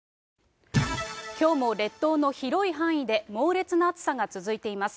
きょうも列島の広い範囲で猛烈な暑さが続いています。